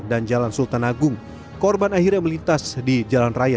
dan jalan sultan agung korban akhirnya melintas di jalan raya